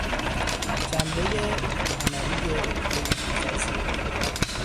جنبهی عملی این قضیه